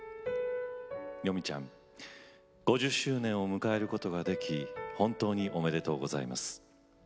よみちゃん５０周年を迎えることができ本当におめでとうございます。